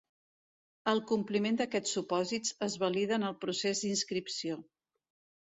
El compliment d'aquests supòsits es valida en el procés d'inscripció.